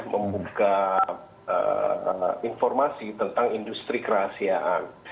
membuka informasi tentang industri kerahasiaan